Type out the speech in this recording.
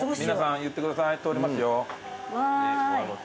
皆さん言ってください。